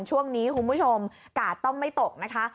ช่วงนี้คุณผู้ชมกาดต้องไม่ตกนะคะ